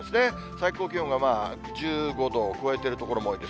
最高気温が１５度を超えてる所も多いです。